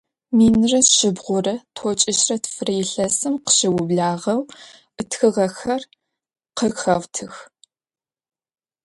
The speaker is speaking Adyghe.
Минрэ шъибгъурэ тӏокӏищрэ тфырэ илъэсым къыщыублагъэу ытхыгъэхэр къыхаутых.